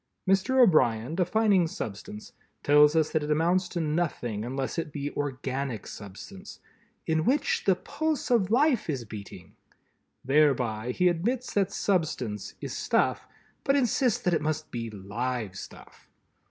Mr. O'Brien, defining Substance, tells us that it amounts to nothing unless it be organic substance "in which the pulse of life is beating." Thereby he admits that Substance is Stuff, but insists that it must be Live Stuff!